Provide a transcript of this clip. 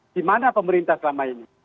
dimana pemerintah selama ini